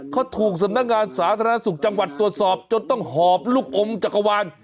เขาถูกสำนักงานสาธารณสุขจังหวัดตรวจสอบจนต้องหอบลูกอมจักรวาล